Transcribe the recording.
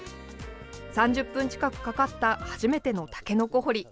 ３０分近くかかった初めてのたけのこ掘り。